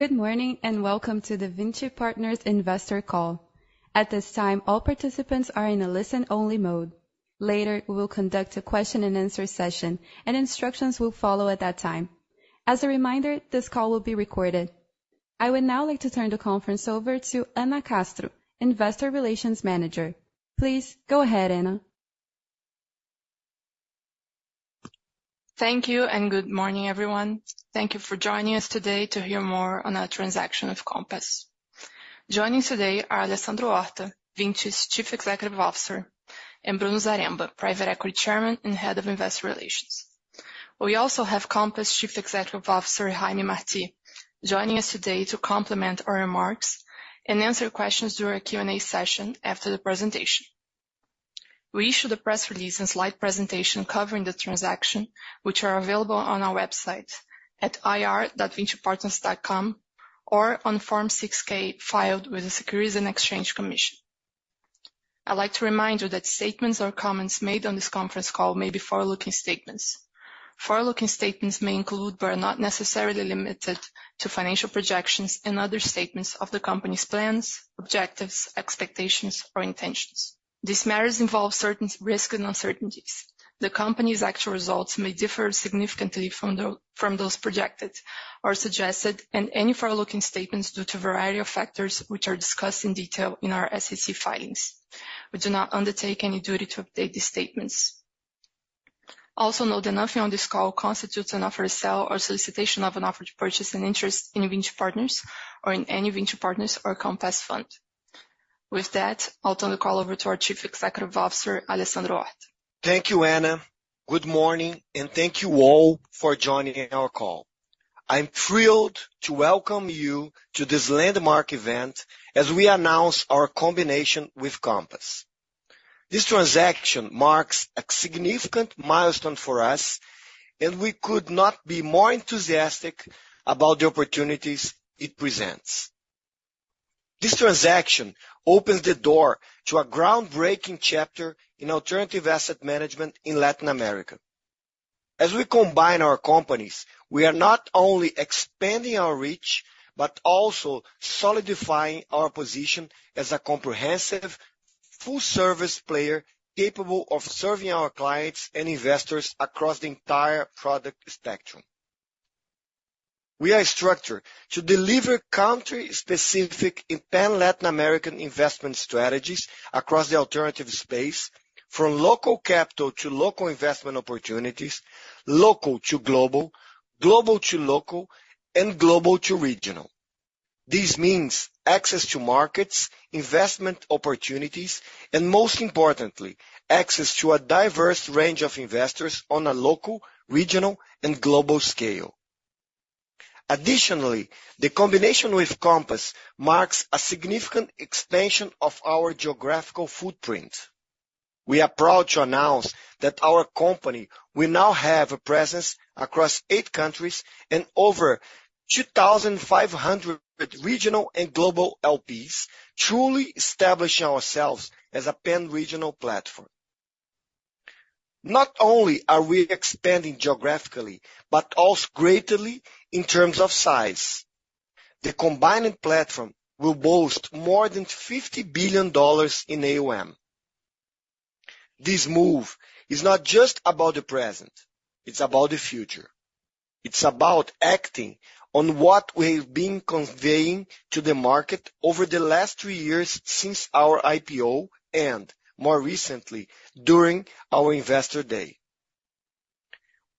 Good morning, and welcome to the Vinci Partners investor call. At this time, all participants are in a listen-only mode. Later, we will conduct a question and answer session, and instructions will follow at that time. As a reminder, this call will be recorded. I would now like to turn the conference over to Anna Castro, Investor Relations Manager. Please go ahead, Anna. Thank you, and good morning, everyone. Thank you for joining us today to hear more on our transaction of Compass. Joining today are Alessandro Horta, Vinci's Chief Executive Officer, and Bruno Zaremba, Private Equity Chairman and Head of Investor Relations. We also have Compass Chief Executive Officer, Jaime Martí, joining us today to complement our remarks and answer questions during our Q&A session after the presentation. We issued a press release and slide presentation covering the transaction, which are available on our website at ir.vincipartners.com or on Form 6-K filed with the Securities and Exchange Commission. I'd like to remind you that statements or comments made on this conference call may be forward-looking statements. Forward-looking statements may include, but are not necessarily limited to, financial projections and other statements of the company's plans, objectives, expectations, or intentions. These matters involve certain risks and uncertainties. The company's actual results may differ significantly from those projected or suggested in any forward-looking statements, due to a variety of factors, which are discussed in detail in our SEC filings. We do not undertake any duty to update these statements. Also, note that nothing on this call constitutes an offer to sell or solicitation of an offer to purchase an interest in Vinci Partners or in any Vinci Partners or Compass fund. With that, I'll turn the call over to our Chief Executive Officer, Alessandro Horta. Thank you, Anna. Good morning, and thank you all for joining our call. I'm thrilled to welcome you to this landmark event as we announce our combination with Compass. This transaction marks a significant milestone for us, and we could not be more enthusiastic about the opportunities it presents. This transaction opens the door to a groundbreaking chapter in alternative asset management in Latin America. As we combine our companies, we are not only expanding our reach, but also solidifying our position as a comprehensive, full-service player, capable of serving our clients and investors across the entire product spectrum. We are structured to deliver country-specific and pan-Latin American investment strategies across the alternative space, from local capital to local investment opportunities, local to global, global to local, and global to regional. This means access to markets, investment opportunities, and most importantly, access to a diverse range of investors on a local, regional, and global scale. Additionally, the combination with Compass marks a significant expansion of our geographical footprint. We are proud to announce that our company will now have a presence across 8 countries and over 2,500 regional and global LPs, truly establishing ourselves as a pan-regional platform. Not only are we expanding geographically, but also greatly in terms of size. The combining platform will boast more than $50 billion in AUM. This move is not just about the present, it's about the future. It's about acting on what we've been conveying to the market over the last 3 years since our IPO, and more recently, during our Investor Day.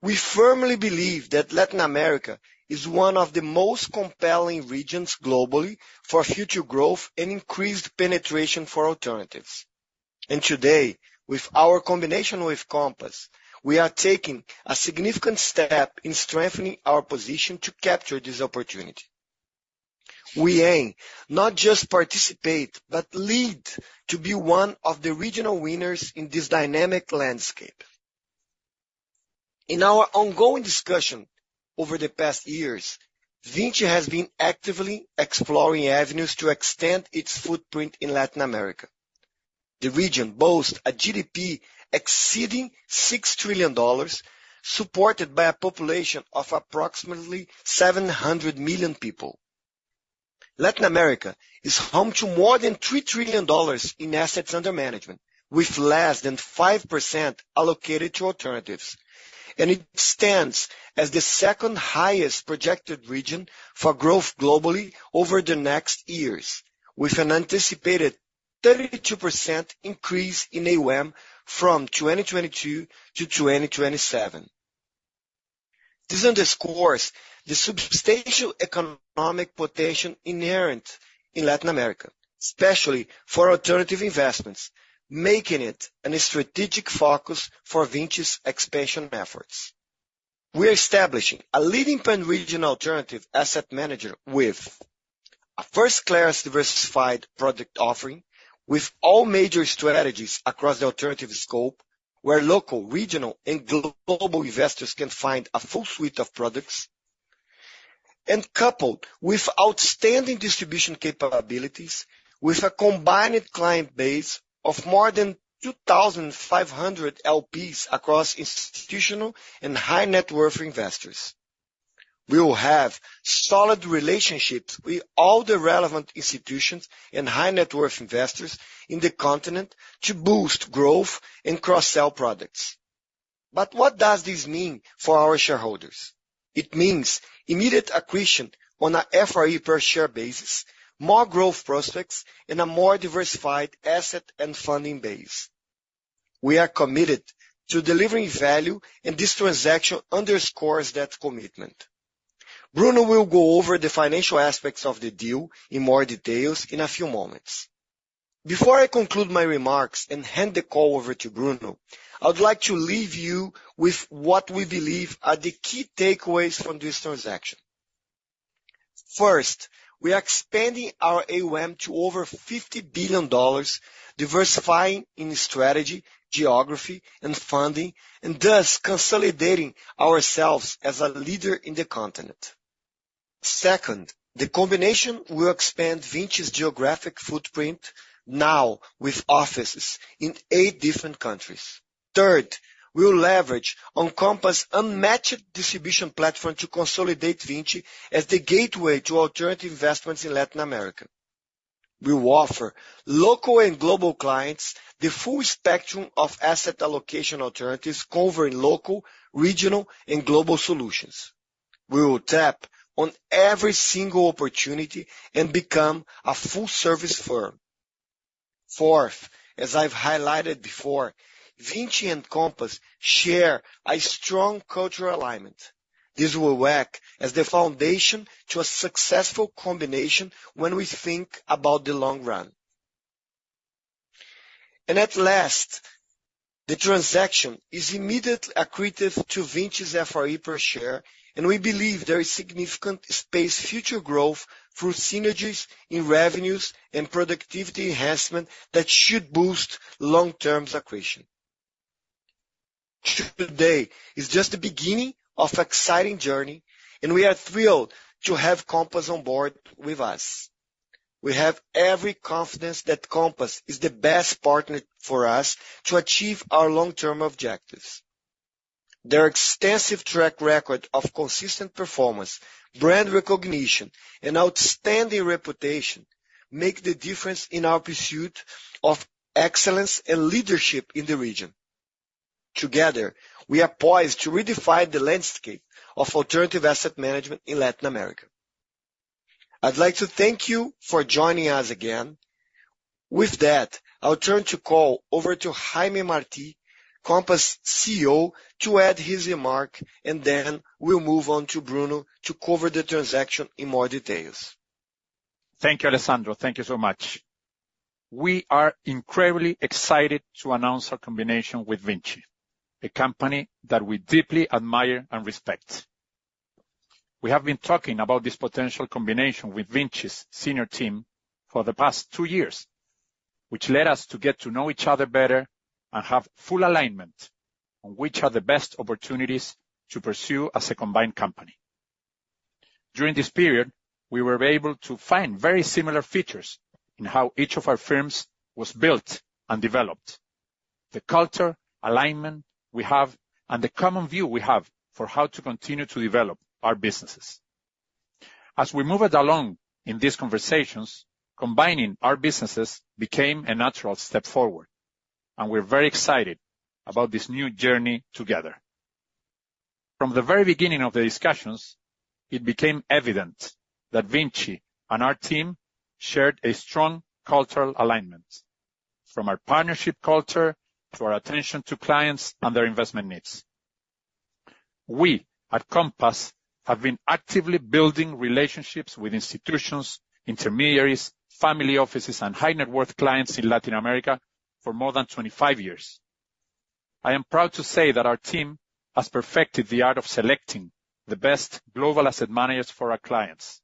We firmly believe that Latin America is one of the most compelling regions globally for future growth and increased penetration for alternatives. And today, with our combination with Compass, we are taking a significant step in strengthening our position to capture this opportunity. We aim not just to participate, but to lead, to be one of the regional winners in this dynamic landscape. In our ongoing discussion over the past years, Vinci has been actively exploring avenues to extend its footprint in Latin America. The region boasts a GDP exceeding $6 trillion, supported by a population of approximately 700 million people. Latin America is home to more than $3 trillion in assets under management, with less than 5% allocated to alternatives, and it stands as the second highest projected region for growth globally over the next years, with an anticipated 32% increase in AUM from 2022 to 2027. This underscores the substantial economic potential inherent in Latin America, especially for alternative investments, making it a strategic focus for Vinci's expansion efforts. We are establishing a leading pan-regional alternative asset manager with a first-class diversified product offering, with all major strategies across the alternative scope, where local, regional, and global investors can find a full suite of products. Coupled with outstanding distribution capabilities, with a combined client base of more than 2,500 LPs across institutional and high-net-worth investors. We will have solid relationships with all the relevant institutions and high-net-worth investors in the continent to boost growth and cross-sell products. But what does this mean for our shareholders? It means immediate accretion on a FRE per share basis, more growth prospects, and a more diversified asset and funding base. We are committed to delivering value, and this transaction underscores that commitment. Bruno will go over the financial aspects of the deal in more details in a few moments. Before I conclude my remarks and hand the call over to Bruno, I would like to leave you with what we believe are the key takeaways from this transaction. First, we are expanding our AUM to over $50 billion, diversifying in strategy, geography, and funding, and thus consolidating ourselves as a leader in the continent. Second, the combination will expand Vinci's geographic footprint, now with offices in eight different countries. Third, we'll leverage on Compass' unmatched distribution platform to consolidate Vinci as the gateway to alternative investments in Latin America. We will offer local and global clients the full spectrum of asset allocation alternatives, covering local, regional, and global solutions. We will tap on every single opportunity and become a full-service firm. Fourth, as I've highlighted before, Vinci and Compass share a strong cultural alignment. This will act as the foundation to a successful combination when we think about the long run. At last, the transaction is immediately accretive to Vinci's FRE per share, and we believe there is significant space for future growth through synergies in revenues and productivity enhancement that should boost long-term accretion. Today is just the beginning of an exciting journey, and we are thrilled to have Compass on board with us. We have every confidence that Compass is the best partner for us to achieve our long-term objectives. Their extensive track record of consistent performance, brand recognition, and outstanding reputation make the difference in our pursuit of excellence and leadership in the region. Together, we are poised to redefine the landscape of alternative asset management in Latin America. I'd like to thank you for joining us again. With that, I'll turn to call over to Jaime Martí, Compass CEO, to add his remark, and then we'll move on to Bruno to cover the transaction in more details. Thank you, Alessandro. Thank you so much. We are incredibly excited to announce our combination with Vinci, a company that we deeply admire and respect. We have been talking about this potential combination with Vinci's senior team for the past two years, which led us to get to know each other better and have full alignment on which are the best opportunities to pursue as a combined company. During this period, we were able to find very similar features in how each of our firms was built and developed, the culture, alignment we have, and the common view we have for how to continue to develop our businesses. As we moved along in these conversations, combining our businesses became a natural step forward, and we're very excited about this new journey together. From the very beginning of the discussions, it became evident that Vinci and our team shared a strong cultural alignment, from our partnership culture to our attention to clients and their investment needs. We, at Compass, have been actively building relationships with institutions, intermediaries, family offices, and high-net-worth clients in Latin America for more than 25 years. I am proud to say that our team has perfected the art of selecting the best global asset managers for our clients,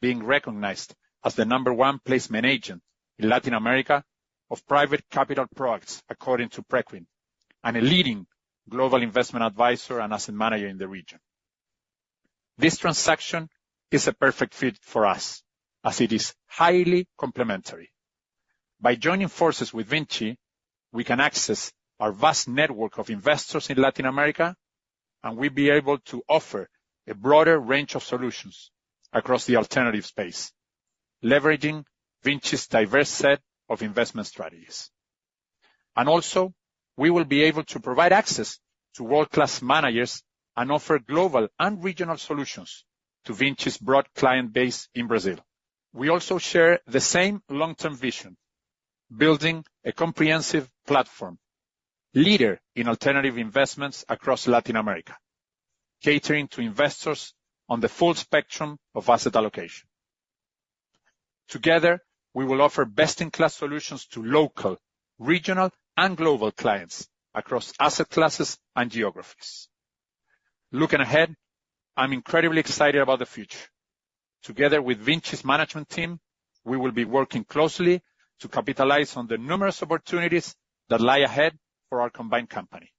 being recognized as the number one placement agent in Latin America of private capital products, according to Preqin, and a leading global investment advisor and asset manager in the region. This transaction is a perfect fit for us, as it is highly complementary. By joining forces with Vinci, we can access our vast network of investors in Latin America, and we'll be able to offer a broader range of solutions across the alternative space, leveraging Vinci's diverse set of investment strategies. And also, we will be able to provide access to world-class managers and offer global and regional solutions to Vinci's broad client base in Brazil. We also share the same long-term vision, building a comprehensive platform, leader in alternative investments across Latin America, catering to investors on the full spectrum of asset allocation. Together, we will offer best-in-class solutions to local, regional, and global clients across asset classes and geographies. Looking ahead, I'm incredibly excited about the future. Together with Vinci's management team, we will be working closely to capitalize on the numerous opportunities that lie ahead for our combined company.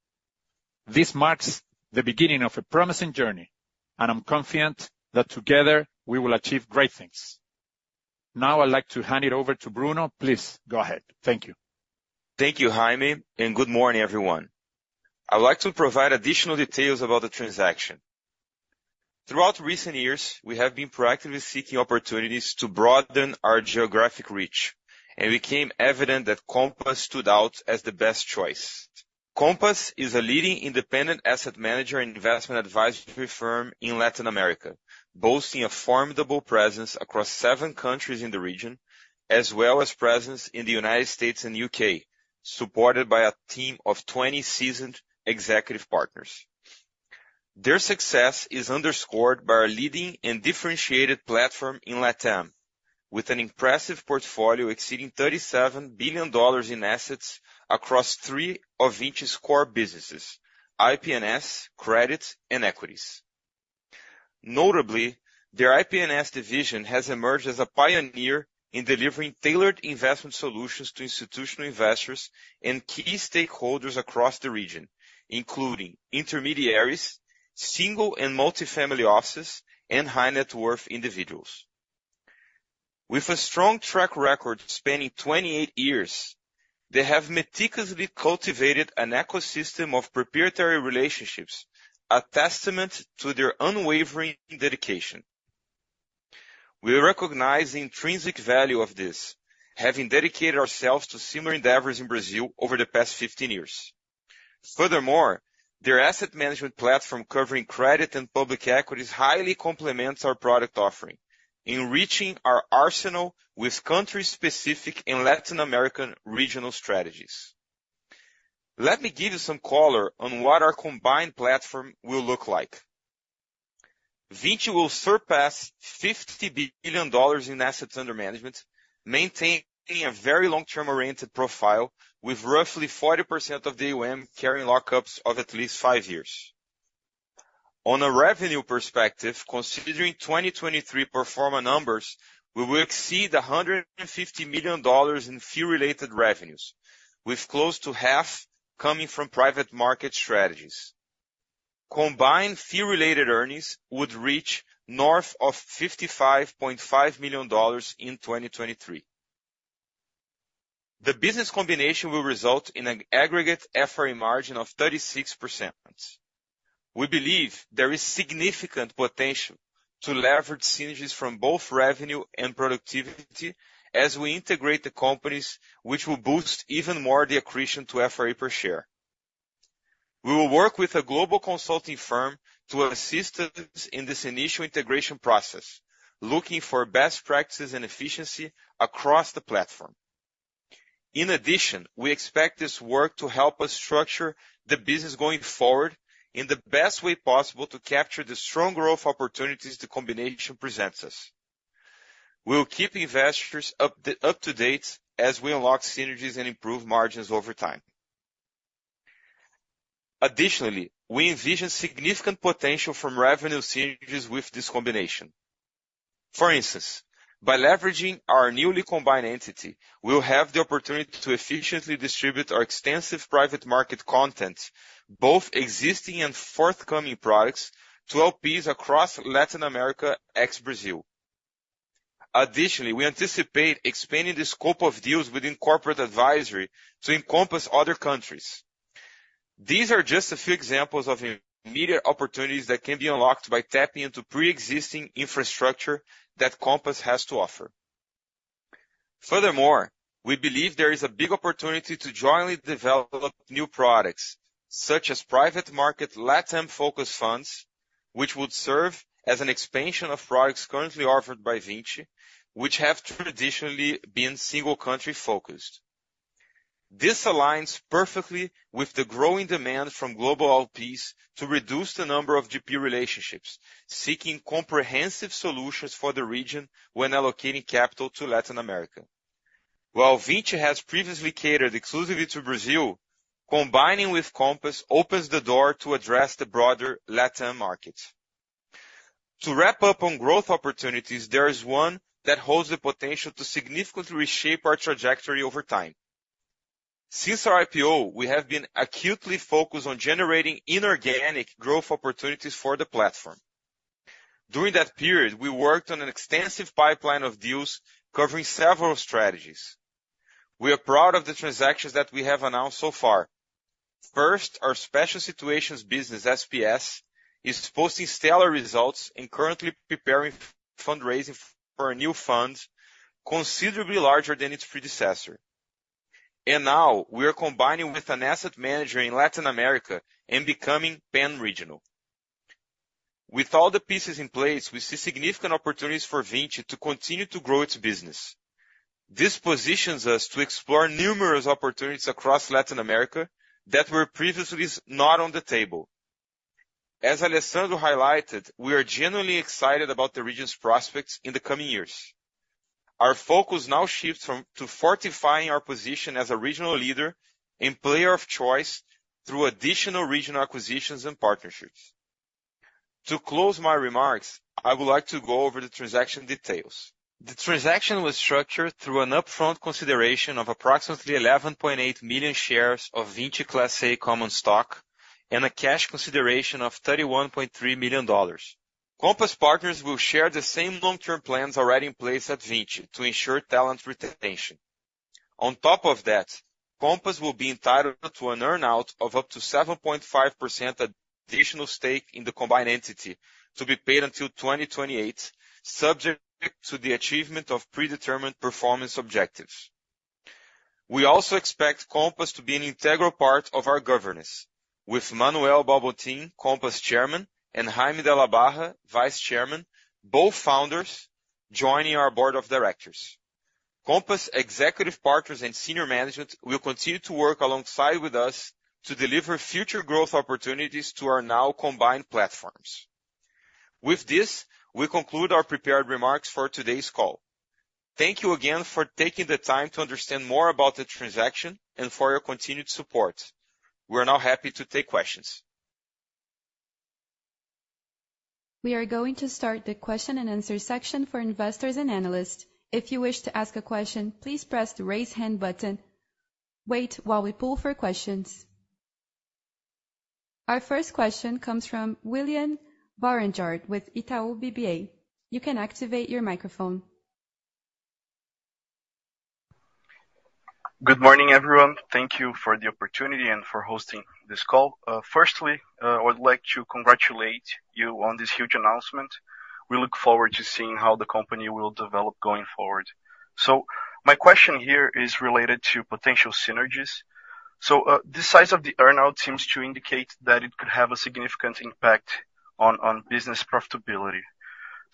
This marks the beginning of a promising journey, and I'm confident that together, we will achieve great things. Now I'd like to hand it over to Bruno. Please, go ahead. Thank you. Thank you, Jaime, and good morning, everyone. I would like to provide additional details about the transaction. Throughout recent years, we have been proactively seeking opportunities to broaden our geographic reach, and it became evident that Compass stood out as the best choice. Compass is a leading independent asset manager and investment advisory firm in Latin America, boasting a formidable presence across seven countries in the region, as well as presence in the United States and U.K., supported by a team of 20 seasoned executive partners. Their success is underscored by our leading and differentiated platform in Latam, with an impressive portfolio exceeding $37 billion in assets across three of Vinci's core businesses: IP&S, Credit, and Equities. Notably, their IP&S division has emerged as a pioneer in delivering tailored investment solutions to institutional investors and key stakeholders across the region, including intermediaries, single and multifamily offices, and high-net-worth individuals. With a strong track record spanning 28 years, they have meticulously cultivated an ecosystem of proprietary relationships, a testament to their unwavering dedication. We recognize the intrinsic value of this, having dedicated ourselves to similar endeavors in Brazil over the past 15 years. Furthermore, their asset management platform, covering credit and public equities, highly complements our product offering, enriching our arsenal with country-specific and Latin American regional strategies. Let me give you some color on what our combined platform will look like. Vinci will surpass $50 billion in assets under management, maintaining a very long-term-oriented profile, with roughly 40% of the AUM carrying lockups of at least 5 years. On a revenue perspective, considering 2023 pro forma numbers, we will exceed $150 million in fee-related revenues, with close to half coming from private market strategies. Combined fee-related earnings would reach north of $55.5 million in 2023. The business combination will result in an aggregate FRE margin of 36%. We believe there is significant potential to leverage synergies from both revenue and productivity as we integrate the companies, which will boost even more the accretion to FRE per share. We will work with a global consulting firm to assist us in this initial integration process, looking for best practices and efficiency across the platform. In addition, we expect this work to help us structure the business going forward in the best way possible to capture the strong growth opportunities the combination presents us. We'll keep investors up to date as we unlock synergies and improve margins over time. Additionally, we envision significant potential from revenue synergies with this combination. For instance, by leveraging our newly combined entity, we'll have the opportunity to efficiently distribute our extensive private market content, both existing and forthcoming products, to LPs across Latin America, ex-Brazil. Additionally, we anticipate expanding the scope of deals within corporate advisory to encompass other countries. These are just a few examples of immediate opportunities that can be unlocked by tapping into pre-existing infrastructure that Compass has to offer. Furthermore, we believe there is a big opportunity to jointly develop new products, such as private market Latam-focused funds, which would serve as an expansion of products currently offered by Vinci, which have traditionally been single-country focused. This aligns perfectly with the growing demand from global LPs to reduce the number of GP relationships, seeking comprehensive solutions for the region when allocating capital to Latin America. While Vinci has previously catered exclusively to Brazil, combining with Compass opens the door to address the broader LatAm market. To wrap up on growth opportunities, there is one that holds the potential to significantly reshape our trajectory over time. Since our IPO, we have been acutely focused on generating inorganic growth opportunities for the platform. During that period, we worked on an extensive pipeline of deals covering several strategies. We are proud of the transactions that we have announced so far. First, our special situations business, SPS, is posting stellar results and currently preparing fundraising for a new fund considerably larger than its predecessor. Now, we are combining with an asset manager in Latin America and becoming pan-regional. With all the pieces in place, we see significant opportunities for Vinci to continue to grow its business. This positions us to explore numerous opportunities across Latin America that were previously not on the table. As Alessandro highlighted, we are genuinely excited about the region's prospects in the coming years. Our focus now shifts to fortifying our position as a regional leader and player of choice through additional regional acquisitions and partnerships. To close my remarks, I would like to go over the transaction details. The transaction was structured through an upfront consideration of approximately 11.8 million shares of Vinci Class A common stock and a cash consideration of $31.3 million. Compass partners will share the same long-term plans already in place at Vinci to ensure talent retention. On top of that, Compass will be entitled to an earn-out of up to 7.5% additional stake in the combined entity to be paid until 2028, subject to the achievement of predetermined performance objectives. We also expect Compass to be an integral part of our governance, with Manuel Balbontín, Compass Chairman, and Jaime de la Barra, Vice Chairman, both founders, joining our board of directors. Compass executive partners and senior management will continue to work alongside with us to deliver future growth opportunities to our now combined platforms. With this, we conclude our prepared remarks for today's call. Thank you again for taking the time to understand more about the transaction and for your continued support. We're now happy to take questions. We are going to start the question-and-answer section for investors and analysts. If you wish to ask a question, please press the Raise Hand button. Wait, while we pull for questions. Our first question comes from William Barranjard with Itaú BBA. You can activate your microphone. Good morning, everyone. Thank you for the opportunity and for hosting this call. Firstly, I would like to congratulate you on this huge announcement. We look forward to seeing how the company will develop going forward. So my question here is related to potential synergies. So, the size of the earn-out seems to indicate that it could have a significant impact on business profitability.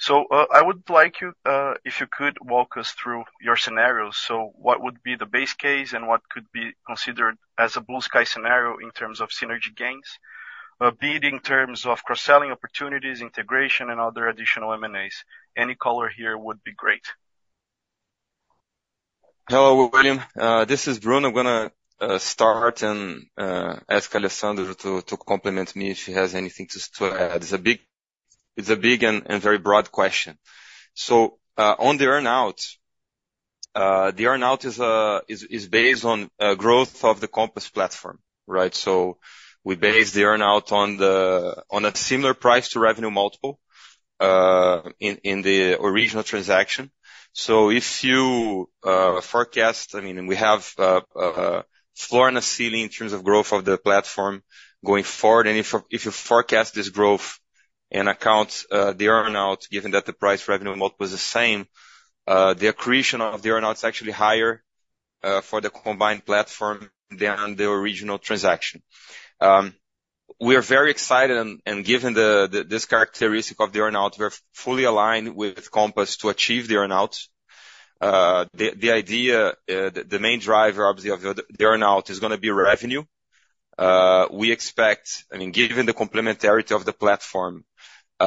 So, I would like you, if you could, walk us through your scenarios. So what would be the base case and what could be considered as a blue-sky scenario in terms of synergy gains, be it in terms of cross-selling opportunities, integration, and other additional M&As? Any color here would be great. Hello, William. This is Bruno. I'm gonna start and ask Alessandro to comment if he has anything to add. It's a big and very broad question. So, on the earn-out, the earn-out is based on growth of the Compass platform, right? So we base the earn-out on a similar price to revenue multiple in the original transaction. So if you forecast, I mean, we have a floor and a ceiling in terms of growth of the platform going forward. And if you forecast this growth and account for the earn-out, given that the price revenue model was the same, the accretion of the earn-out is actually higher for the combined platform than the original transaction. We are very excited and given this characteristic of the earn-out, we're fully aligned with Compass to achieve the earn-out. The main driver, obviously, of the earn-out is gonna be revenue. We expect, I mean, given the complementarity of the platform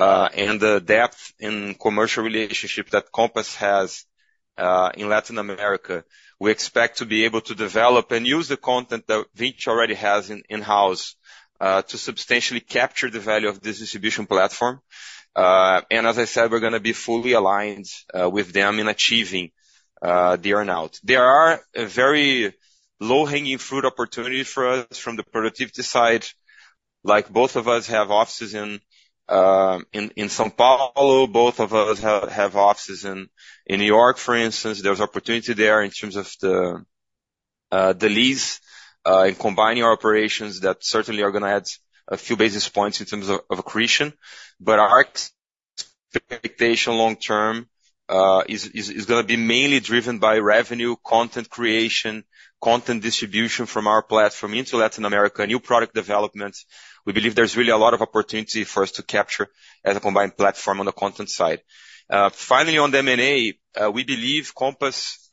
and the depth and commercial relationship that Compass has in Latin America, we expect to be able to develop and use the content that Vinci already has in-house to substantially capture the value of this distribution platform. And as I said, we're gonna be fully aligned with them in achieving the earn-out. There are a very low-hanging fruit opportunity for us from the productivity side. Like, both of us have offices in São Paulo. Both of us have offices in New York, for instance. There's opportunity there in terms of the lease in combining our operations that certainly are gonna add a few basis points in terms of accretion. But our expectation long term is gonna be mainly driven by revenue, content creation, content distribution from our platform into Latin America, new product developments. We believe there's really a lot of opportunity for us to capture as a combined platform on the content side. Finally, on the M&A, we believe Compass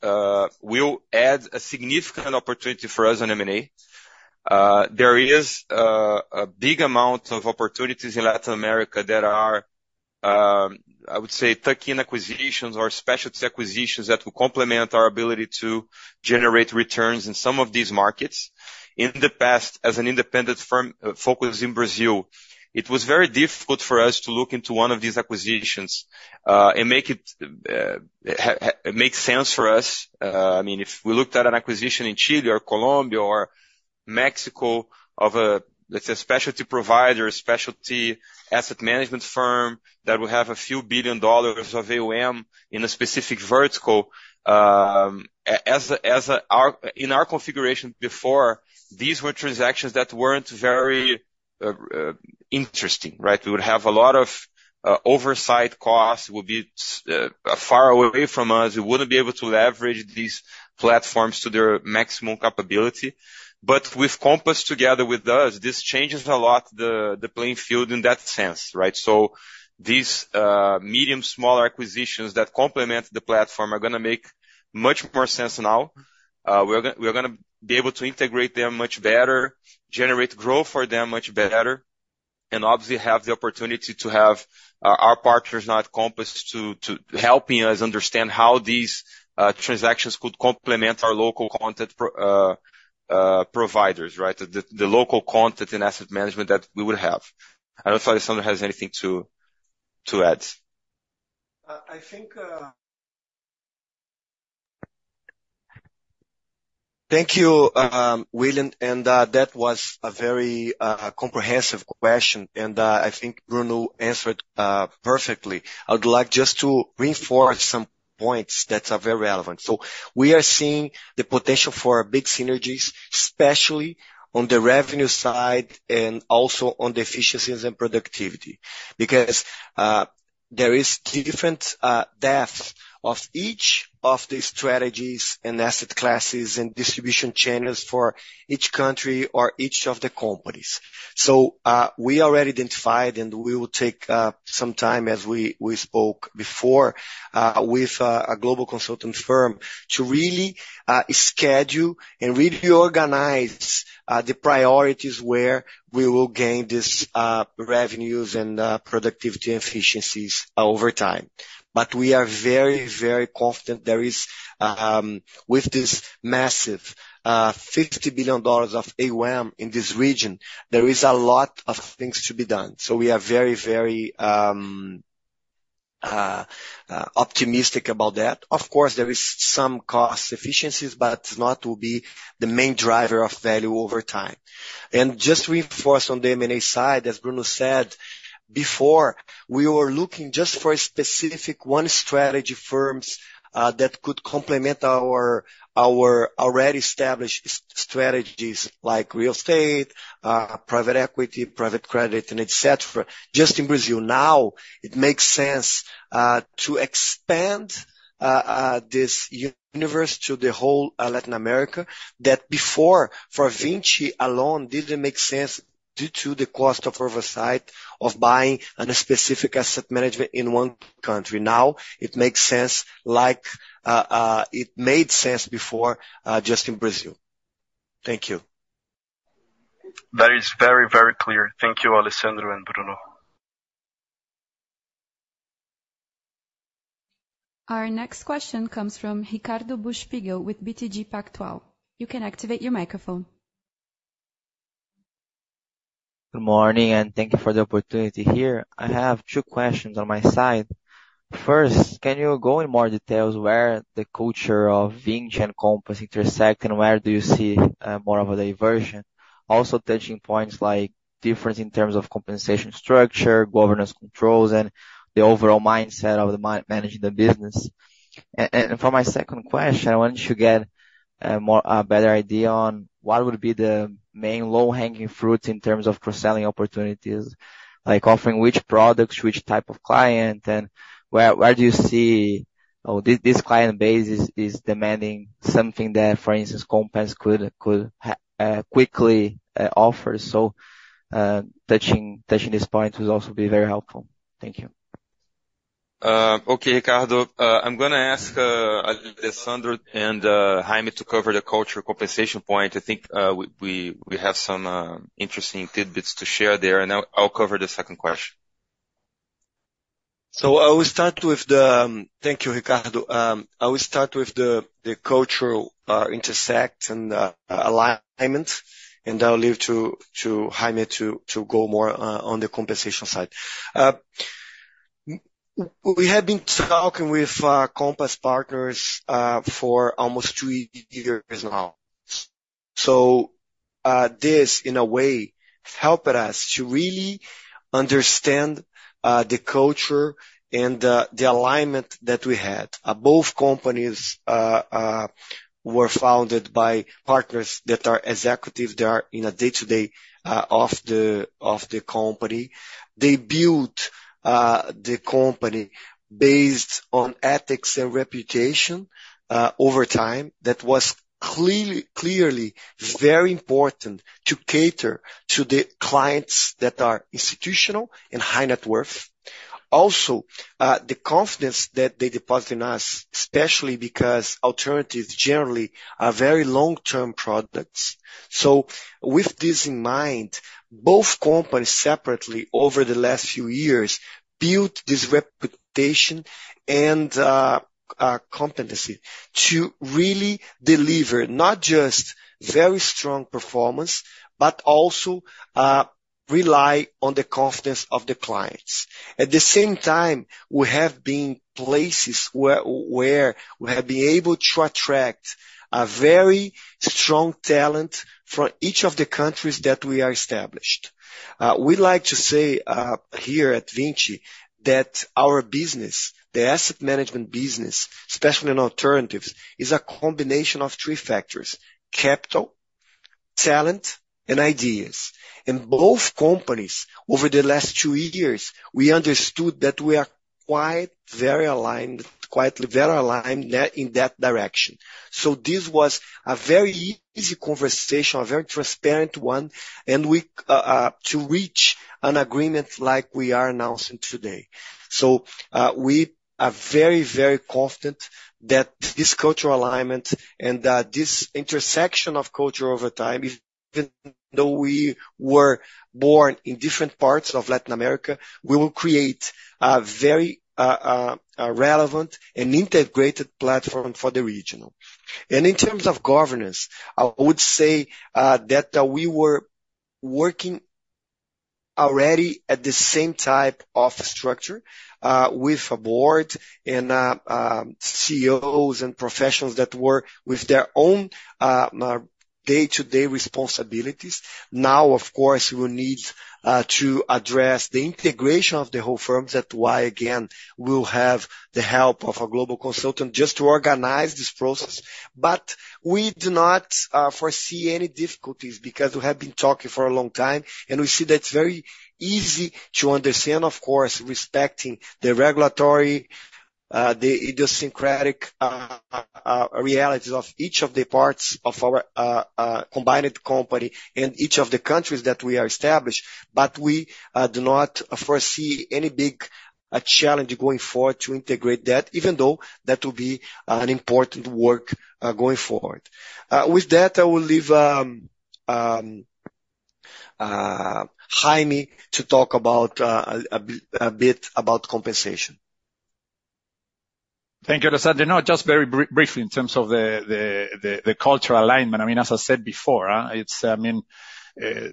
will add a significant opportunity for us on M&A. There is a big amount of opportunities in Latin America that are, I would say, tuck-in acquisitions or specialty acquisitions that will complement our ability to generate returns in some of these markets. In the past, as an independent firm focused in Brazil, it was very difficult for us to look into one of these acquisitions and make it make sense for us. I mean, if we looked at an acquisition in Chile or Colombia or Mexico of a, let's say, specialty provider, specialty asset management firm that would have $a few billion of AUM in a specific vertical, in our configuration before, these were transactions that weren't very interesting, right? We would have a lot of oversight costs, would be far away from us. We wouldn't be able to leverage these platforms to their maximum capability. But with Compass together with us, this changes a lot, the playing field in that sense, right? So these medium, smaller acquisitions that complement the platform are gonna make much more sense now. We're gonna, we're gonna be able to integrate them much better, generate growth for them much better, and obviously, have the opportunity to have our partners now at Compass to helping us understand how these transactions could complement our local content providers, right? The local content and asset management that we will have. I don't know if Alessandro has anything to add. I think. Thank you, William. And, that was a very, comprehensive question, and, I think Bruno answered, perfectly. I would like just to reinforce some points that are very relevant. So we are seeing the potential for big synergies, especially on the revenue side, and also on the efficiencies and productivity. Because, there is different, depth of each of the strategies and asset classes and distribution channels for each country or each of the companies. So, we already identified, and we will take, some time, as we, we spoke before, with, a global consultants firm, to really, schedule and reorganize, the priorities where we will gain this, revenues and, productivity efficiencies over time. But we are very, very confident there is, with this massive $50 billion of AUM in this region, there is a lot of things to be done. So we are very, very optimistic about that. Of course, there is some cost efficiencies, but not will be the main driver of value over time. And just to reinforce on the M&A side, as Bruno said before, we were looking just for a specific one strategy firms, that could complement our, our already established strategies, like real estate, private equity, private credit, and et cetera, just in Brazil. Now, it makes sense, to expand, this universe to the whole, Latin America, that before, for Vinci alone, didn't make sense due to the cost of oversight, of buying a specific asset management in one country. Now, it makes sense, like, it made sense before, just in Brazil. Thank you. That is very, very clear. Thank you, Alessandro and Bruno. Our next question comes from Ricardo Buchpiguel with BTG Pactual. You can activate your microphone. Good morning, and thank you for the opportunity here. I have two questions on my side. First, can you go in more details where the culture of Vinci and Compass intersect, and where do you see more of a diversion? Also, touching points like difference in terms of compensation structure, governance controls, and the overall mindset of the managing the business. And for my second question, I want to get a better idea on what would be the main low-hanging fruits in terms of cross-selling opportunities, like offering which products, which type of client, and where do you see this client base is demanding something that, for instance, Compass could quickly offer. So, touching this point will also be very helpful. Thank you. Okay, Ricardo, I'm gonna ask Alessandro and Jaime to cover the culture compensation point. I think we have some interesting tidbits to share there, and I'll cover the second question. Thank you, Ricardo. I will start with the cultural intersection and alignment, and I'll leave it to Jaime to go more on the compensation side. We have been talking with Compass partners for almost two years now. So, this, in a way, helped us to really understand the culture and the alignment that we had. Both companies were founded by partners that are executives, that are in a day-to-day of the company. They built the company based on ethics and reputation over time. That was clearly very important to cater to the clients that are institutional and high net worth. Also, the confidence that they deposit in us, especially because alternatives generally are very long-term products. So with this in mind, both companies, separately, over the last few years, built this reputation and competency to really deliver not just very strong performance, but also rely on the confidence of the clients. At the same time, we have been places where we have been able to attract a very strong talent from each of the countries that we are established. We like to say here at Vinci that our business, the asset management business, especially in alternatives, is a combination of three factors: capital, talent, and ideas. And both companies, over the last two years, we understood that we are quite very aligned, quite very aligned in that, in that direction. So this was a very easy conversation, a very transparent one, and we to reach an agreement like we are announcing today. So, we are very, very confident that this cultural alignment and that this intersection of culture over time, even though we were born in different parts of Latin America, we will create a very relevant and integrated platform for the regional. And in terms of governance, I would say that we were already at the same type of structure with a board and CEOs and professionals that work with their own day-to-day responsibilities. Now, of course, we will need to address the integration of the whole firms. That's why, again, we'll have the help of a global consultant just to organize this process. But we do not foresee any difficulties, because we have been talking for a long time, and we see that it's very easy to understand, of course, respecting the regulatory, the idiosyncratic, realities of each of the parts of our combined company and each of the countries that we are established. But we do not foresee any big challenge going forward to integrate that, even though that will be an important work going forward. With that, I will leave Jaime to talk about a bit about compensation. Thank you, Alessandro. Now, just very briefly, in terms of the cultural alignment, I mean, as I said before, it's. I mean,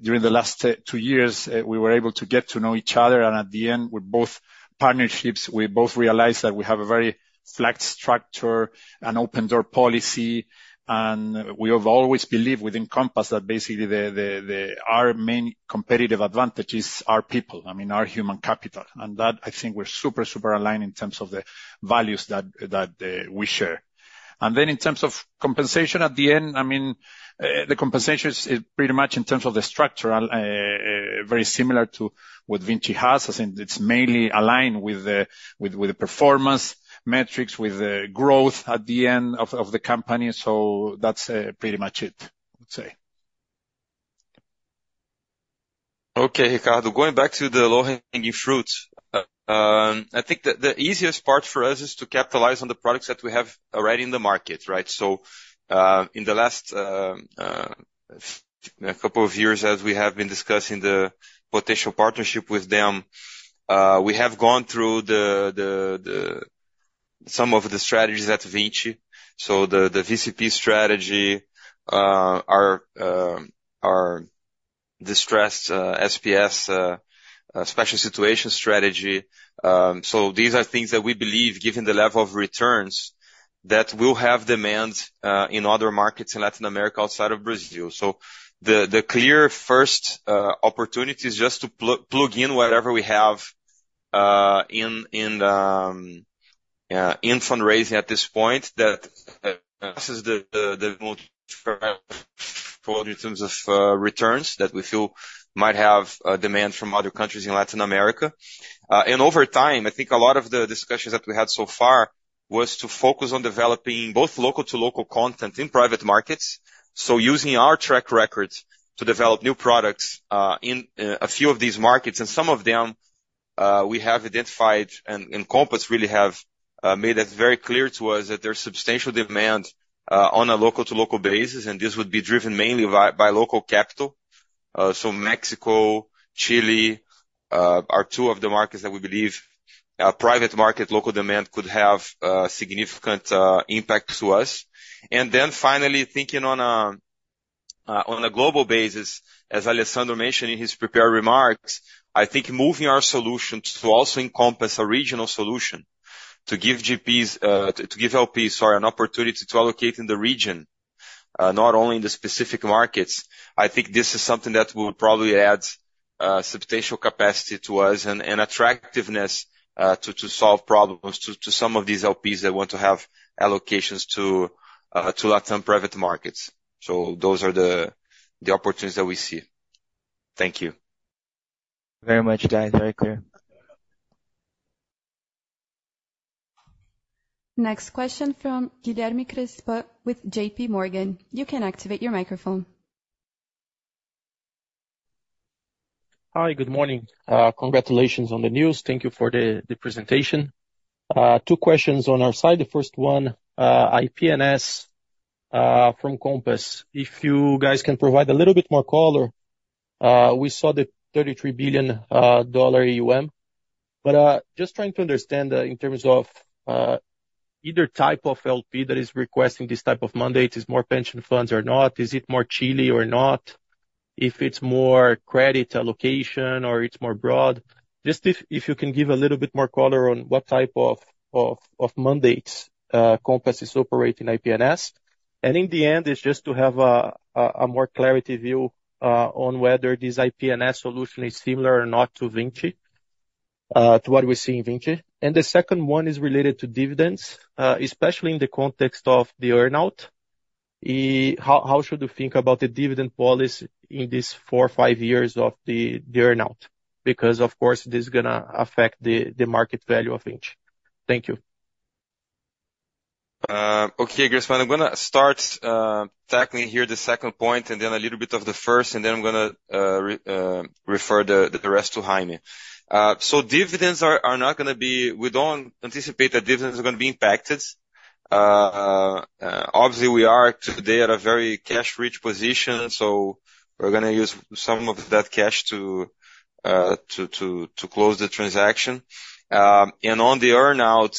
during the last two years, we were able to get to know each other, and at the end, with both partnerships, we both realized that we have a very flat structure and open door policy. And we have always believed within Compass that basically our main competitive advantage is our people, I mean, our human capital. And that, I think, we're super, super aligned in terms of the values that we share. And then in terms of compensation, at the end, I mean, the compensation is pretty much in terms of the structure very similar to what Vinci has. As in, it's mainly aligned with the performance metrics, with the growth at the end of the company. So that's pretty much it, I'd say. Okay, Ricardo, going back to the low-hanging fruits. I think the easiest part for us is to capitalize on the products that we have already in the market, right? So, in the last a couple of years, as we have been discussing the potential partnership with them, we have gone through some of the strategies at Vinci. So the VCP strategy, our distressed SPS special situation strategy. So these are things that we believe, given the level of returns, that will have demand in other markets in Latin America, outside of Brazil. The clear first opportunity is just to plug in whatever we have in fundraising at this point, that this is the most in terms of returns that we feel might have demand from other countries in Latin America. And over time, I think a lot of the discussions that we had so far was to focus on developing both local-to-local content in private markets, so using our track record to develop new products in a few of these markets. And some of them we have identified, and Compass really have made it very clear to us that there's substantial demand on a local-to-local basis, and this would be driven mainly by local capital. So, Mexico, Chile are two of the markets that we believe private market local demand could have significant impact to us. And then finally, thinking on a global basis, as Alessandro mentioned in his prepared remarks, I think moving our solutions to also encompass a regional solution to give LPs, sorry, an opportunity to allocate in the region, not only in the specific markets. I think this is something that will probably add substantial capacity to us and attractiveness to solve problems to some of these LPs that want to have allocations to Latin private markets. So those are the opportunities that we see. Thank you. Very much, guys. Very clear. Next question from Guilherme Crispo with JP Morgan. You can activate your microphone. Hi, good morning. Congratulations on the news. Thank you for the presentation. Two questions on our side. The first one, IP&S from Compass. If you guys can provide a little bit more color, we saw the $33 billion AUM. But, just trying to understand, in terms of, either type of LP that is requesting this type of mandate, is more pension funds or not? Is it more Chile or not? If it's more credit allocation or it's more broad, just if you can give a little bit more color on what type of mandates Compass is operating IP&S. And in the end, it's just to have a more clarity view on whether this IP&S solution is similar or not to Vinci, to what we see in Vinci. The second one is related to dividends, especially in the context of the earn-out. How, how should we think about the dividend policy in this 4-5 years of the, the earn-out? Because, of course, this is gonna affect the, the market value of Vinci. Thank you. Okay, Crispo, I'm gonna start tackling here the second point, and then a little bit of the first, and then I'm gonna refer the rest to Jaime. So dividends are not gonna be. We don't anticipate that dividends are gonna be impacted. Obviously, we are today at a very cash-rich position, so we're gonna use some of that cash to close the transaction. And on the earn-out.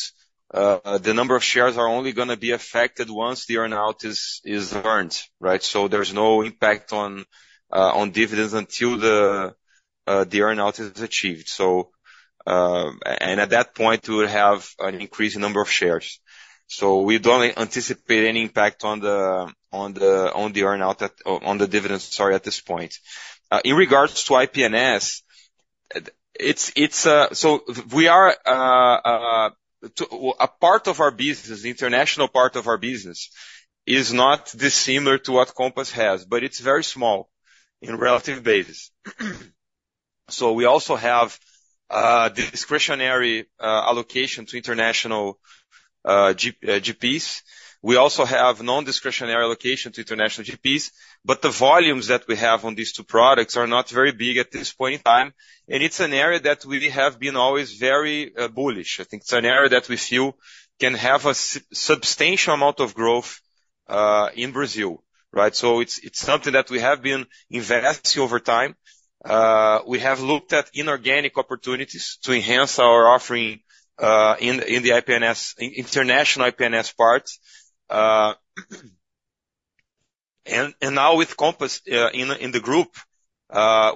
The number of shares are only gonna be affected once the earn-out is earned, right? So there's no impact on dividends until the earn-out is achieved. So, and at that point, we would have an increased number of shares. So we don't anticipate any impact on the earn-out at, on the dividends, sorry, at this point. In regards to IP&S, it's. So we are a part of our business, the international part of our business, is not dissimilar to what Compass has, but it's very small in relative basis. So we also have discretionary allocation to international GP, GPs. We also have non-discretionary allocation to international GPs, but the volumes that we have on these two products are not very big at this point in time, and it's an area that we have been always very bullish. I think it's an area that we feel can have a substantial amount of growth in Brazil, right? So it's something that we have been investing over time. We have looked at inorganic opportunities to enhance our offering in the IP&S, international IP&S parts. And now with Compass in the group,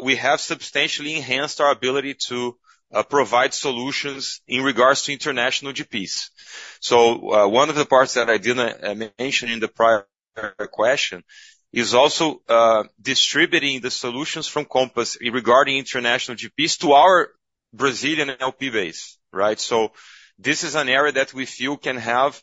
we have substantially enhanced our ability to provide solutions in regards to international GPs. So, one of the parts that I didn't mention in the prior question is also distributing the solutions from Compass regarding international GPs to our Brazilian LP base, right? So this is an area that we feel can have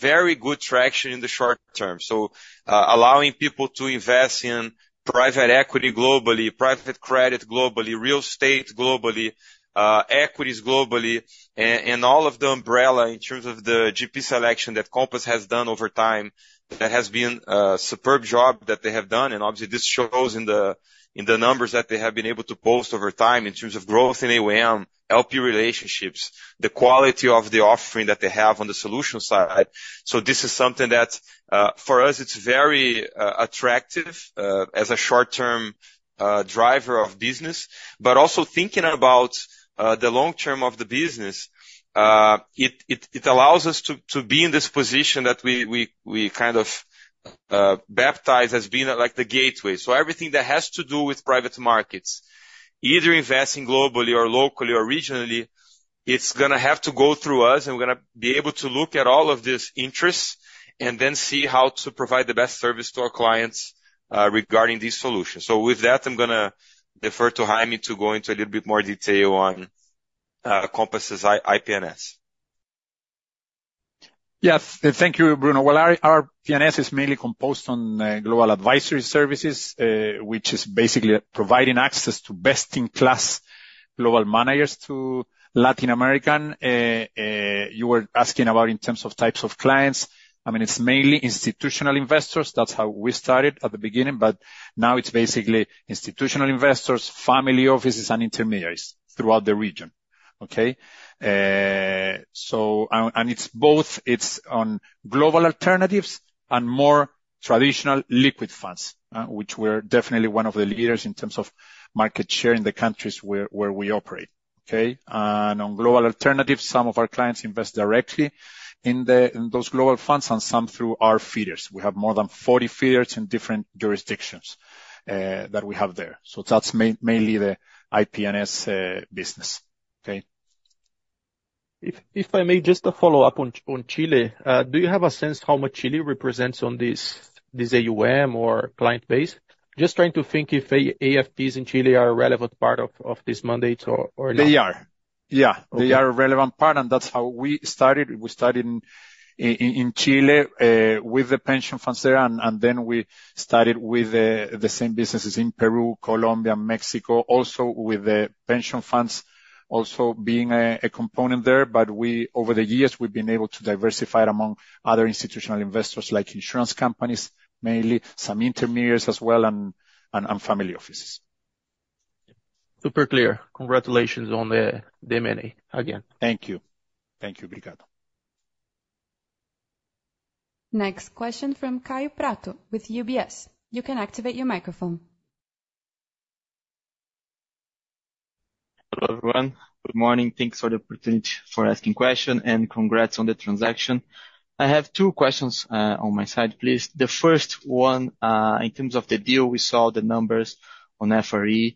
very good traction in the short term. So, allowing people to invest in private equity globally, private credit globally, real estate globally, equities globally, and all of the umbrella in terms of the GP selection that Compass has done over time, that has been a superb job that they have done, and obviously this shows in the numbers that they have been able to post over time in terms of growth in AUM, LP relationships, the quality of the offering that they have on the solution side. So this is something that, for us, it's very attractive, as a short-term driver of business. But also thinking about the long term of the business, it allows us to be in this position that we kind of baptize as being, like, the gateway. So everything that has to do with private markets, either investing globally or locally or regionally, it's gonna have to go through us, and we're gonna be able to look at all of this interest and then see how to provide the best service to our clients, regarding these solutions. So with that, I'm gonna defer to Jaime to go into a little bit more detail on Compass's IP&S. Yes. Thank you, Bruno. Well, our, our IP&S is mainly composed on global advisory services, which is basically providing access to best-in-class global managers to Latin American. You were asking about in terms of types of clients, I mean, it's mainly institutional investors. That's how we started at the beginning, but now it's basically institutional investors, family offices, and intermediaries throughout the region. Okay? So. And, and it's both, it's on global alternatives and more traditional liquid funds, which we're definitely one of the leaders in terms of market share in the countries where, where we operate, okay? And on global alternatives, some of our clients invest directly in the, in those global funds, and some through our feeders. We have more than 40 feeders in different jurisdictions, that we have there. So that's mainly the IP&S business. Okay? If I may, just a follow-up on Chile. Do you have a sense how much Chile represents on this AUM or client base? Just trying to think if AFPs in Chile are a relevant part of this mandate or not. They are. Yeah. Okay. They are a relevant part, and that's how we started. We started in Chile with the pension funds there, and then we started with the same businesses in Peru, Colombia, Mexico, also with the pension funds being a component there. But we, over the years, we've been able to diversify it among other institutional investors like insurance companies, mainly, some intermediaries as well, and family offices. Super clear. Congratulations on the many, again. Thank you. Thank you, Guilherme. Next question from Kaio Prato with UBS. You can activate your microphone. Hello, everyone. Good morning. Thanks for the opportunity for asking question, and congrats on the transaction. I have two questions, on my side, please. The first one, in terms of the deal, we saw the numbers on FRE,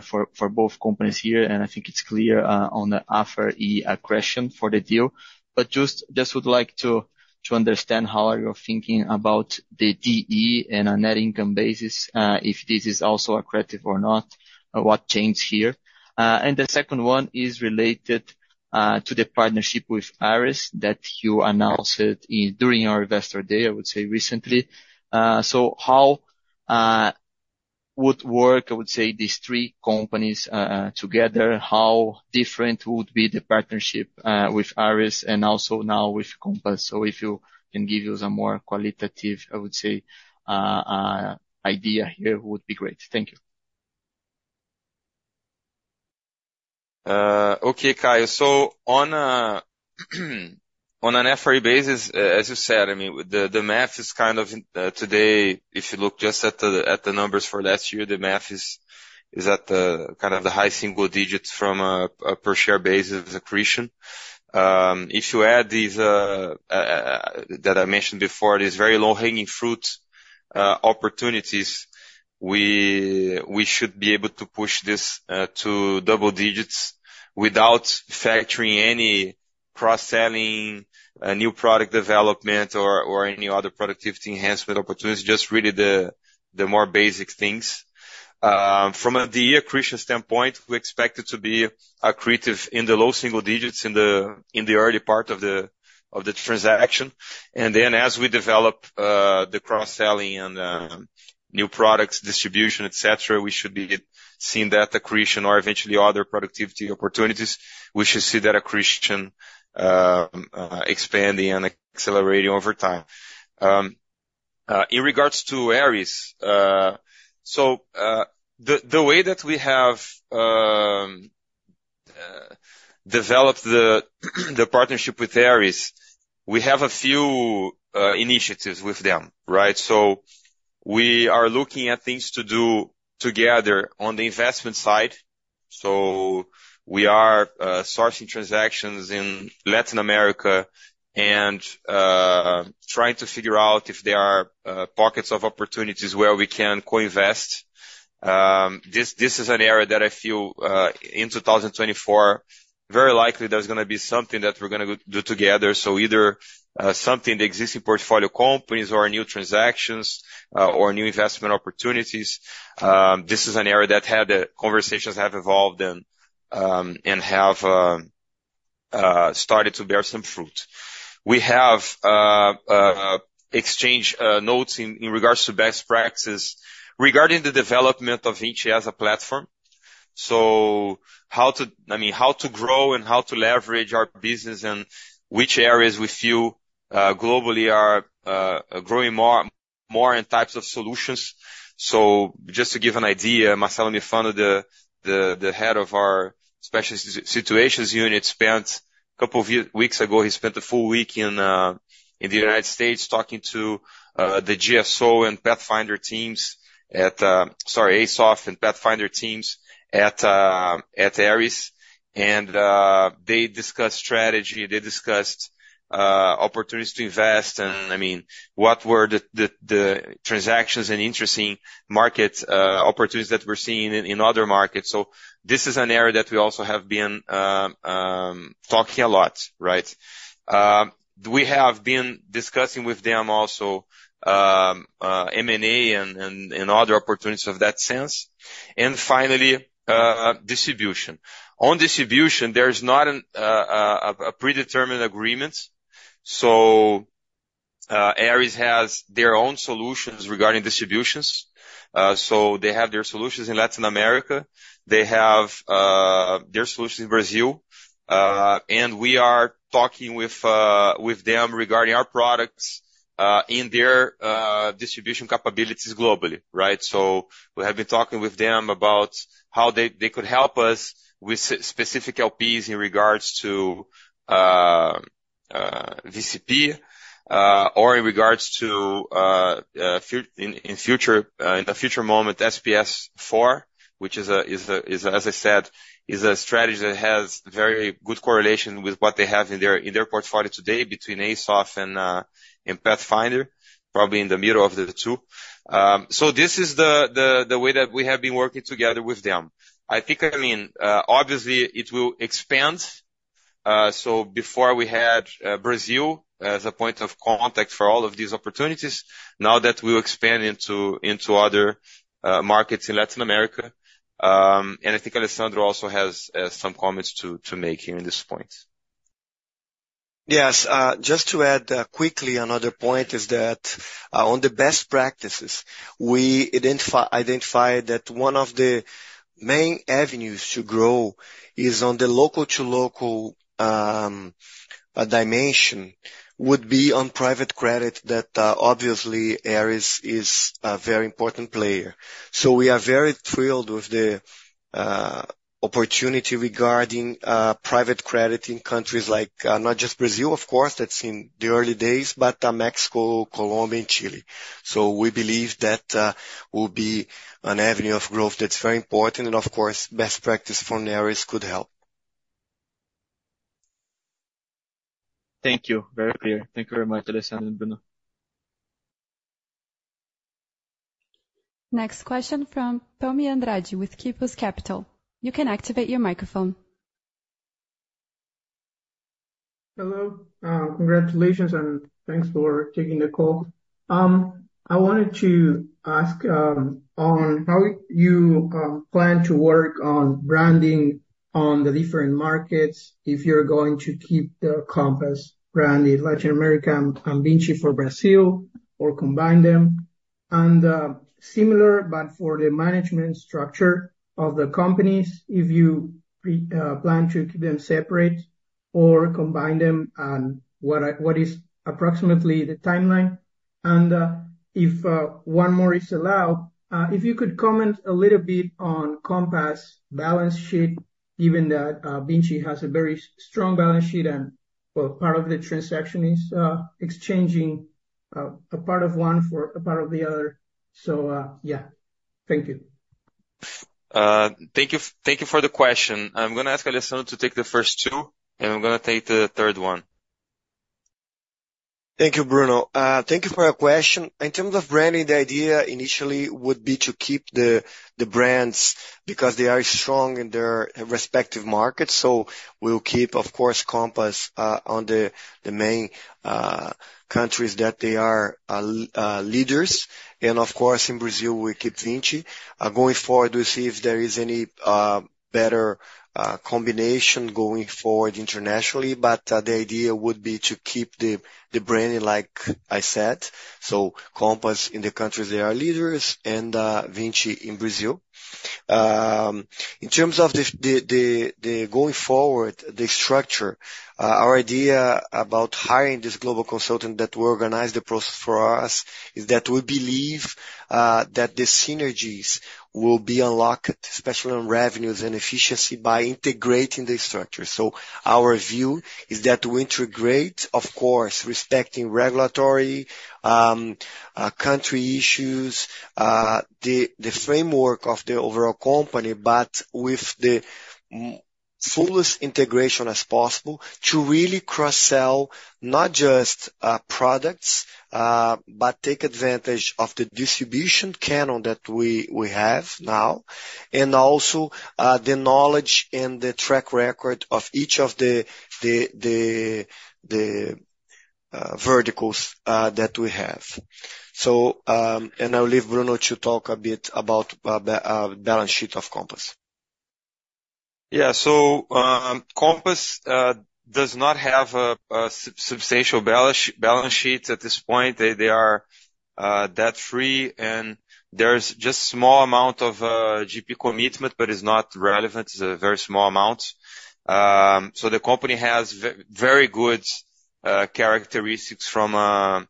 for both companies here, and I think it's clear, on the FRE accretion for the deal. But just would like to understand how are you thinking about the DE and our net income basis, if this is also accretive or not, what changed here? And the second one is related to the partnership with Ares that you announced it in, during our investor day, I would say recently. So how would work, I would say, these three companies together? How different would be the partnership with Ares and also now with Compass? So if you can give us a more qualitative, I would say, idea here, would be great. Thank you. Okay, Kyle, so on a, on an FRA basis, as you said, I mean, the, the math is kind of, today, if you look just at the, at the numbers for last year, the math is, is at the kind of the high single digits from a, a per share basis accretion. If you add these, that I mentioned before, these very low-hanging fruit, opportunities, we, we should be able to push this, to double digits without factoring any cross-selling, new product development or, or any other productivity enhancement opportunities, just really the, the more basic things. From a DE accretion standpoint, we expect it to be accretive in the low single digits in the, in the early part of the, of the transaction. Then as we develop the cross-selling and new products, distribution, et cetera, we should be seeing that accretion or eventually other productivity opportunities. We should see that accretion expanding and accelerating over time. In regards to Ares, the way that we have developed the partnership with Ares, we have a few initiatives with them, right? We are looking at things to do together on the investment side. We are sourcing transactions in Latin America and trying to figure out if there are pockets of opportunities where we can co-invest. This is an area that I feel in 2024 very likely there's gonna be something that we're gonna go do together. So either, something in the existing portfolio companies or new transactions, or new investment opportunities, this is an area that had the conversations have evolved and, and have, started to bear some fruit. We have, exchanged, notes in, in regards to best practices regarding the development of each as a platform. So how to, I mean, how to grow and how to leverage our business and which areas we feel, globally are, growing more, more in types of solutions. So just to give an idea, Marcelo Mifano, the head of our special situations unit, spent a couple of weeks ago, he spent a full week in the United States, talking to the GSO and Pathfinder teams at. Sorry, ASOF and Pathfinder teams at Ares, and they discussed strategy, they discussed opportunities to invest, and, I mean, what were the transactions and interesting markets, opportunities that we're seeing in other markets. So this is an area that we also have been talking a lot, right? We have been discussing with them also M&A and other opportunities of that sense. And finally, distribution. On distribution, there is not a predetermined agreement, so Ares has their own solutions regarding distributions. So they have their solutions in Latin America, they have their solutions in Brazil, and we are talking with them regarding our products in their distribution capabilities globally, right? So we have been talking with them about how they, they could help us with specific LPs in regards to VCP, or in regards to in future, in a future moment, SPS4, which is a, is a, as I said, is a strategy that has very good correlation with what they have in their, in their portfolio today between ASOF and and Pathfinder, probably in the middle of the two. So this is the, the, the way that we have been working together with them. I think, I mean, obviously, it will expand. So before we had Brazil as a point of contact for all of these opportunities. Now that we'll expand into other markets in Latin America, and I think Alessandro also has some comments to make here in this point. Yes, just to add, quickly another point is that, on the best practices, we identified that one of the main avenues to grow is on the local-to-local dimension, would be on private credit that, obviously, Ares is a very important player. So we are very thrilled with the opportunity regarding private credit in countries like, not just Brazil, of course, that's in the early days, but Mexico, Colombia and Chile. So we believe that will be an avenue of growth that's very important, and of course, best practice from Ares could help. Thank you. Very clear. Thank you very much, Alessandro and Bruno. Next question from Tommy Andrade with Kipos Capital. You can activate your microphone. Hello, congratulations, and thanks for taking the call. I wanted to ask on how you plan to work on branding on the different markets, if you're going to keep the Compass brand in Latin America and Vinci for Brazil or combine them? And similar, but for the management structure of the companies, if you plan to keep them separate or combine them, and what is approximately the timeline? And if one more is allowed, if you could comment a little bit on Compass balance sheet, given that Vinci has a very strong balance sheet, and, well, part of the transaction is exchanging a part of one for a part of the other. So, yeah. Thank you. Thank you for the question. I'm gonna ask Alessandro to take the first two, and I'm gonna take the third one. Thank you, Bruno. Thank you for your question. In terms of branding, the idea initially would be to keep the brands, because they are strong in their respective markets. So we'll keep, of course, Compass on the main countries that they are leaders. And of course, in Brazil, we keep Vinci. Going forward, we'll see if there is any better combination going forward internationally, but the idea would be to keep the branding, like I said, so Compass in the countries they are leaders and Vinci in Brazil. In terms of the going forward, the structure, our idea about hiring this global consultant that will organize the process for us, is that we believe that the synergies will be unlocked, especially on revenues and efficiency, by integrating the structure. So our view is that we integrate, of course, respecting regulatory, country issues, the framework of the overall company, but with the fullest integration as possible, to really cross-sell not just, products, but take advantage of the distribution channel that we have now, and also, the knowledge and the track record of each of the verticals that we have. So, and I'll leave Bruno to talk a bit about the balance sheet of Compass. Yeah. So, Compass does not have a substantial balance sheet at this point. They are debt-free, and there's just small amount of GP commitment, but it's not relevant. It's a very small amount. So the company has very good characteristics from a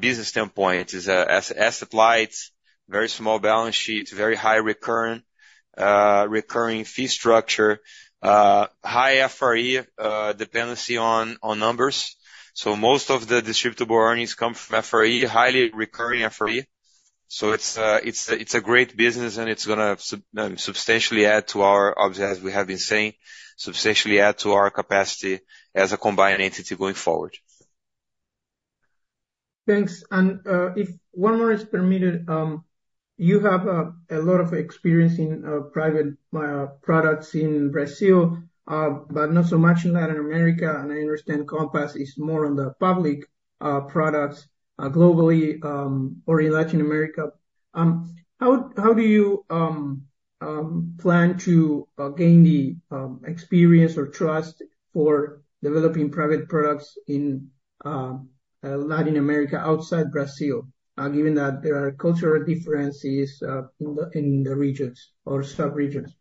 business standpoint. It's an asset-light, very small balance sheet, very high recurrent recurring fee structure, high FRE dependency on numbers. So most of the distributable earnings come from FRE, highly recurring FRE. So it's a great business, and it's gonna substantially add to our. Obviously, as we have been saying, substantially add to our capacity as a combined entity going forward. Thanks. If one more is permitted, you have a lot of experience in private products in Brazil, but not so much in Latin America, and I understand Compass is more on the public products globally, or in Latin America. How do you plan to gain the experience or trust for developing private products in Latin America outside Brazil, given that there are cultural differences in the regions or sub-regions?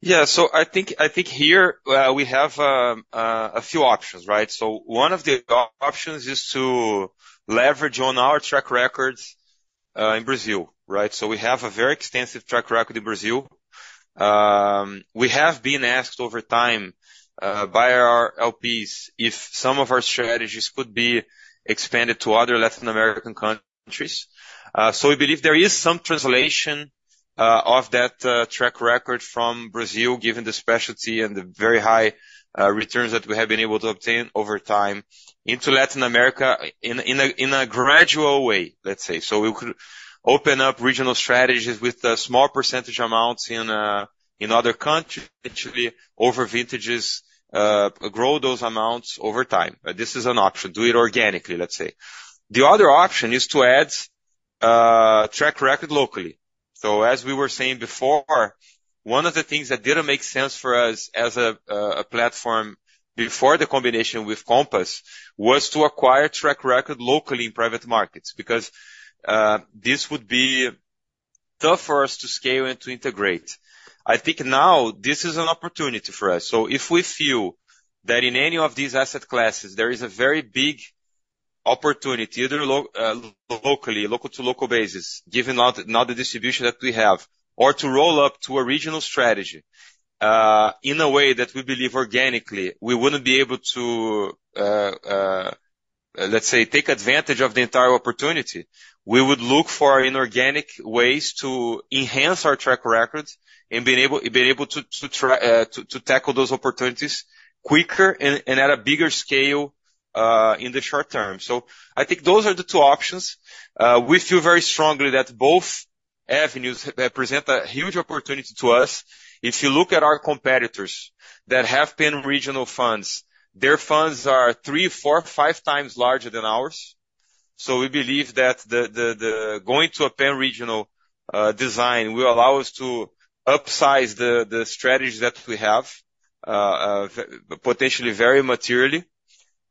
Yeah. So I think here we have a few options, right? So one of the options is to leverage on our track records in Brazil, right? So we have a very extensive track record in Brazil. We have been asked over time by our LPs if some of our strategies could be expanded to other Latin American countries. So we believe there is some translation of that track record from Brazil, given the specialty and the very high returns that we have been able to obtain over time into Latin America in a gradual way, let's say. So we could open up regional strategies with a small percentage amounts in other countries, actually, over vintages, grow those amounts over time. This is an option. Do it organically, let's say. The other option is to add track record locally. So as we were saying before, one of the things that didn't make sense for us as a platform before the combination with Compass was to acquire track record locally in private markets, because this would be tough for us to scale and to integrate. I think now this is an opportunity for us. So if we feel that in any of these asset classes, there is a very big opportunity, either locally, local to local basis, given now the distribution that we have, or to roll up to a regional strategy, in a way that we believe organically, we wouldn't be able to, let's say, take advantage of the entire opportunity. We would look for inorganic ways to enhance our track record and being able to tackle those opportunities quicker and at a bigger scale in the short term. So I think those are the two options. We feel very strongly that both avenues present a huge opportunity to us. If you look at our competitors that have pan-regional funds, their funds are 3x, 4x, 5x larger than ours. So we believe that going to a pan-regional design will allow us to upsize the strategies that we have, potentially very materially.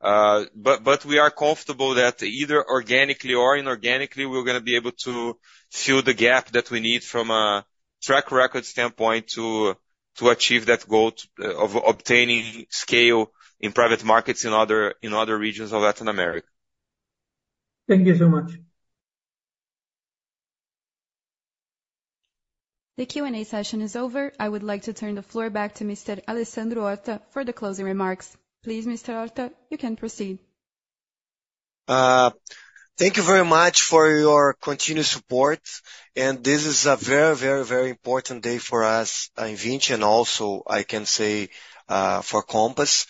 But we are comfortable that either organically or inorganically, we're gonna be able to fill the gap that we need from a track record standpoint to achieve that goal of obtaining scale in private markets in other regions of Latin America. Thank you so much. The Q&A session is over. I would like to turn the floor back to Mr. Alessandro Horta for the closing remarks. Please, Mr. Horta, you can proceed. Thank you very much for your continued support, and this is a very, very, very important day for us in Vinci, and also, I can say, for Compass.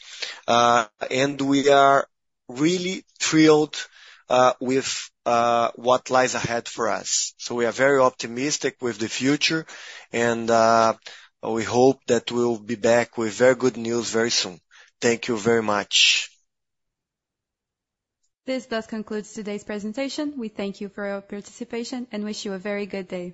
And we are really thrilled with what lies ahead for us. So we are very optimistic with the future, and we hope that we'll be back with very good news very soon. Thank you very much. This does conclude today's presentation. We thank you for your participation, and wish you a very good day.